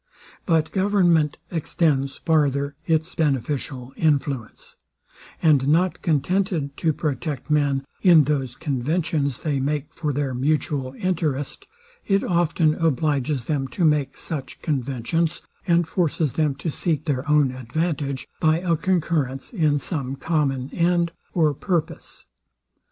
But government extends farther its beneficial influence; and not contented to protect men in those conventions they make for their mutual interest, it often obliges them to make such conventions, and forces them to seek their own advantage, by a concurrence in some common end or purpose.